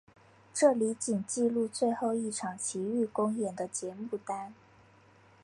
这里仅记录最后一场琦玉公演的节目单。